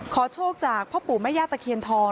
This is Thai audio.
โชคจากพ่อปู่แม่ย่าตะเคียนทอง